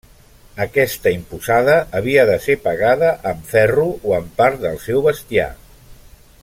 Aquesta imposada havia de ser pagada amb ferro o amb part del seu bestiar.